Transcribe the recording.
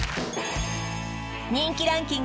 人気ランキング